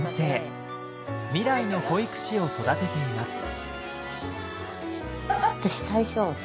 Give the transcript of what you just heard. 未来の保育士を育てています。